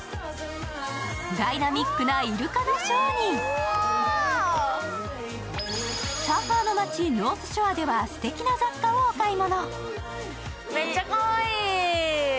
ダイナミックなイルカのショーにサーファーの街・ノースショアではすてきな雑貨をお買い物。